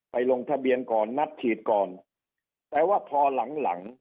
ลงทะเบียนก่อนนัดฉีดก่อนแต่ว่าพอหลังหลัง